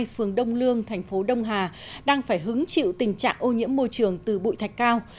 phường đông lương thành phố đông hà đang phải hứng chịu tình trạng ô nhiễm môi trường từ bụi thạch cao